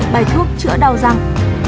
bài thuốc chữa đau răng